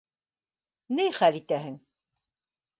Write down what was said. Ни хәл итәһең